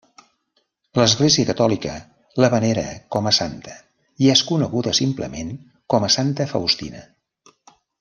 L'Església catòlica la venera com a santa i és coneguda simplement com a Santa Faustina.